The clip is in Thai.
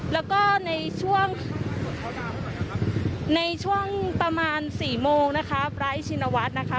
แล้วก็ในช่วงในช่วงประมาณสี่โมงนะคะ